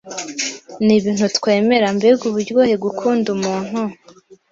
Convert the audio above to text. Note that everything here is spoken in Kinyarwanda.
nibintu twemera mbega uburyohe gukunda umuntu